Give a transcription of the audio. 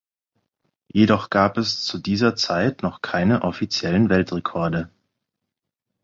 Jedoch gab zu dieser Zeit noch keine offiziellen Weltrekorde.